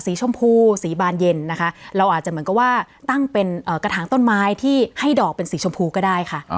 ชมพูสีบานเย็นนะคะเราอาจจะเหมือนกับว่าตั้งเป็นกระถางต้นไม้ที่ให้ดอกเป็นสีชมพูก็ได้ค่ะ